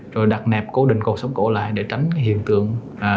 rồi đặt nạp cố định cột sống cổ lại để tránh hiện tượng